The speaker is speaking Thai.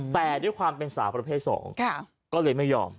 แต่ด้วยความเป็นสาวประเภท๒ก็เลยไม่ยอม